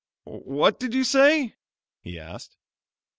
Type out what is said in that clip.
"What did you say?" he asked.